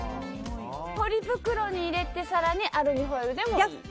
ポリ袋に入れて更にアルミホイルでもいい？